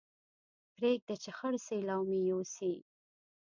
پرېږده چې خړ سېلاو مې يوسي